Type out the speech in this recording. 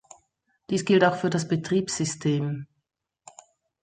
Dies gilt auch für das Betriebssystem.